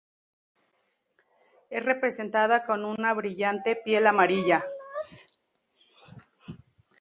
Es representada con una brillante piel amarilla.